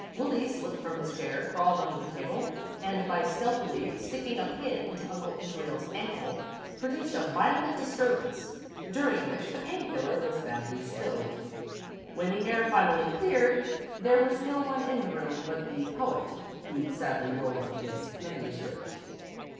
Willie slipped from his chair, crawled under the table, and by stealthily sticking a pin into Uncle Israel's ankle, produced a violent disturbance, during which the pain killer was badly spilled. When the air finally cleared, there was no one in the room but the poet, who sadly rolled up his manuscript.